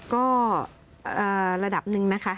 ก็ระดับหนึ่งนะคะ